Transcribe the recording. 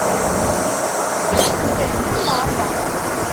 Tfehmem neɣ ala?